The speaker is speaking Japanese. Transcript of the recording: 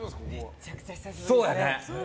めちゃくちゃ久しぶりですね。